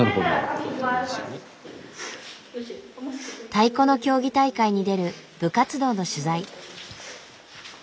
太鼓の競技大会に出る部活動の取材。